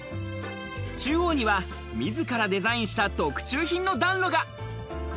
中央には自らデザインした特注品の暖炉が。